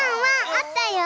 あったよ。